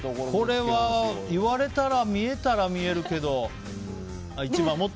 これは言われたら見えたら見えるけど。